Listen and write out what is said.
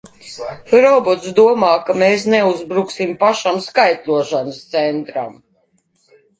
Robots domā, ka mēs neuzbruksim pašam skaitļošanas centram!